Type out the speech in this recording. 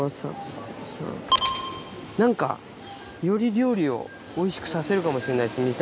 何かより料理をおいしくさせるかもしれないです